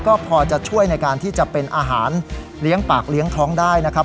ก็พอจะช่วยในการที่จะเป็นอาหารเลี้ยงปากเลี้ยงท้องได้นะครับ